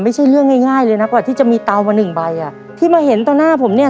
ไม่ใช่เรื่องง่ายง่ายเลยนะกว่าที่จะมีเตามาหนึ่งใบอ่ะที่มาเห็นต่อหน้าผมเนี่ย